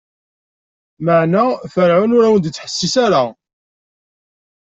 Lameɛna, Ferɛun ur wen-d-ittḥessis ara.